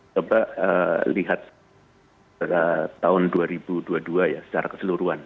coba lihat pada tahun dua ribu dua puluh dua ya secara keseluruhan